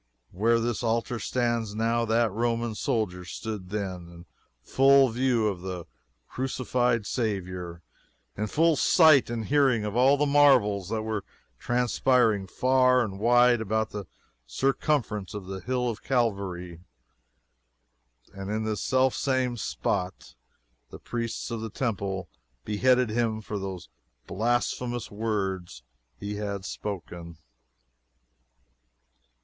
Where this altar stands now, that Roman soldier stood then, in full view of the crucified Saviour in full sight and hearing of all the marvels that were transpiring far and wide about the circumference of the Hill of Calvary. And in this self same spot the priests of the Temple beheaded him for those blasphemous words he had spoken.